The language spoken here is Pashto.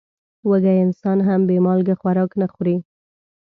وږی انسان هم بې مالګې خوراک نه خوري.